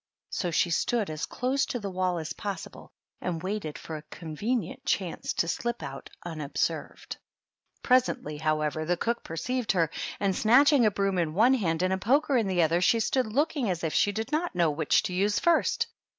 So she stood as close to the wall as possible and waited for a convenient chance to slip out unobserved. Pres ently, however, the cook perceived her, and snatching a broom in one hand and a poker in the other, she stood looking as if she did not know which to use first.